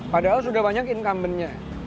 padahal sudah banyak incumbent nya